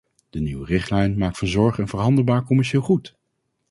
De nieuwe richtlijn maakt van zorg een verhandelbaar commercieel goed.